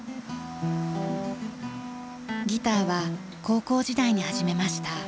ギターは高校時代に始めました。